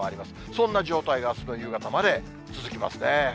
そんな状態があすの夕方まで続きますね。